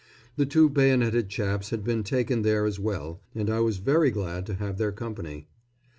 The two bayoneted chaps had been taken there as well, and I was very glad to have their company.